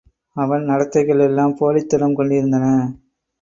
அவன் நடத்தைகள் எல்லாம் போலித்தனம் கொண்டிருந்தன.